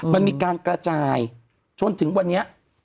มันมีการกระจายจนถึงวันนี้